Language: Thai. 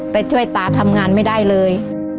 ไปช่วยตาทำงานไม่ได้เลย